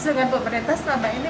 sedangkan pemerintah selama ini